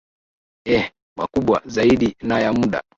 eeh makubwa zaidi na ya muda